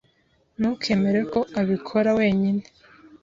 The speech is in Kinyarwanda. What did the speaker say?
Ntukemere ko abikora wenyine.